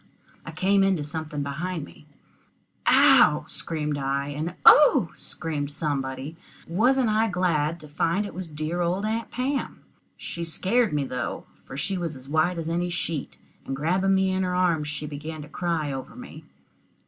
I came into something behind me. "Ow!" I screamed, and "Oh!" exclaimed somebody, and wasn't I glad to find it was dear old Aunt Pam. She scared me, though, for she was as white as any sheet, and grabbing me in her arms, she began to cry over me.